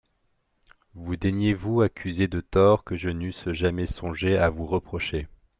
Vous daignez vous accuser de torts que je n'eusse jamais songé à vous reprocher.